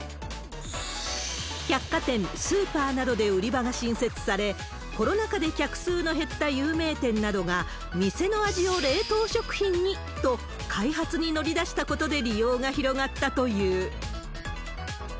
百貨店、スーパーなどで売り場が新設され、コロナ禍で客数の減った有名店などが、店の味を冷凍食品にと、開発に乗り出したことで利用が広がったという。